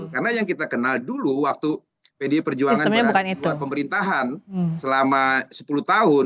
karena yang kita kenal dulu waktu pdi perjuangan di luar pemerintahan selama sepuluh tahun